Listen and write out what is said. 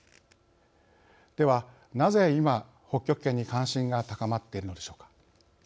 ではなぜ今、北極圏に関心が高まっているのでしょうか。